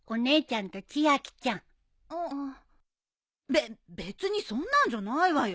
べっ別にそんなんじゃないわよ。